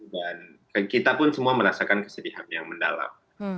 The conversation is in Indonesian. dan kita pun semua merasakan kesedihan yang mendalam